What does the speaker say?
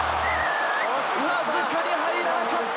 わずかに入らなかった！